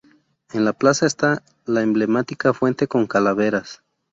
En la plaza está la emblemática fuente con calaveras.